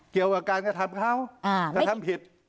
เกี่ยวกับการกระทำเขากระทำผิด